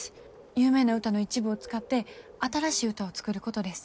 有名な歌の一部を使って新しい歌を作ることです。